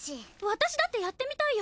私だってやってみたいよ！